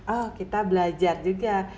oh kita belajar juga